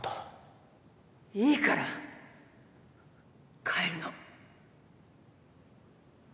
いいから帰るの。